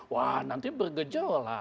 wah nanti bergejol